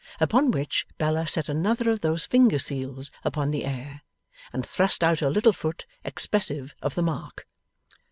Upon which, Bella set another of those finger seals upon the air, and thrust out her little foot expressive of the mark.